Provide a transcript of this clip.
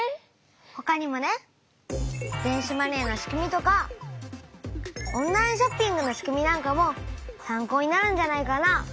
ほかにもね電子マネーの仕組みとかオンラインショッピングの仕組みなんかも参考になるんじゃないかな。